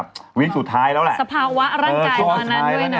สภาวะร่างกายตอนนั้นด้วยนะ